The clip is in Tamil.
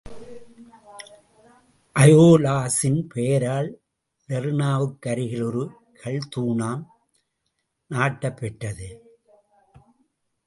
அயோலஸின் பெயரால் லெர்னாவுக்கு அருகில் ஒரு கல் தூணூம் நாட்டப் பெற்றது.